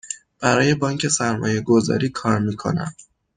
برای بانک سرمایه گذاری کار می کنم.